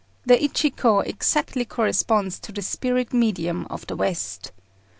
The Ichiko exactly corresponds to the spirit medium of the West.